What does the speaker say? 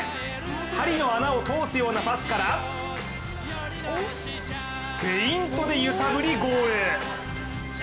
針の穴を通すようなパスからフェイントで揺さぶり、ゴール。